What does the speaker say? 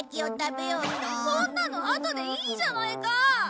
そんなのあとでいいじゃないか！